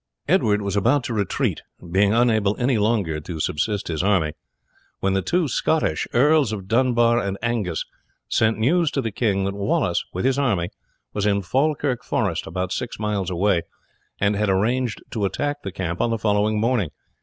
Edward was about to retreat, being unable any longer to subsist his army, when the two Scottish Earls of Dunbar and Angus sent news to the king that Wallace with his army was in Falkirk forest, about six miles away, and had arranged to attack the camp on the following morning.